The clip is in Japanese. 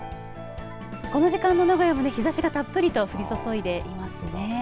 この時間の名古屋もね日ざしがたっぷりと降り注いでいますね。